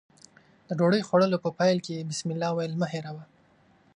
د ډوډۍ خوړلو په پیل کې بسمالله ويل مه هېروه.